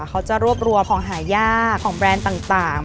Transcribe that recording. เขาจะรวบรวมของหายากของแบรนด์ต่าง